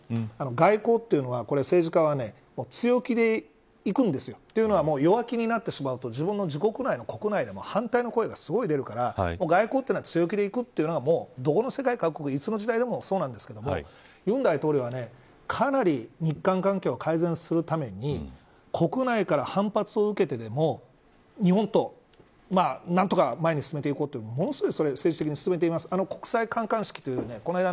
外交というのは、政治家は強気でいくんですよ。というのは弱気になってしまうと自分の国内でも反対の声がすごい出るから外交というのは強気でいくというのが世界各国、どの国もいつの時代もそうなんですけど尹大統領は、かなり日韓関係を改善するために国内から反発を受けてでも日本と何とか前に進めていこうとものすごい、それを政治的に進めています。